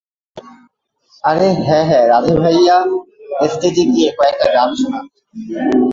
আরে, হ্যাঁ হ্যাঁ রাধে ভাইয়া স্টেজে গিয়ে কয়েকটা গান শুনান!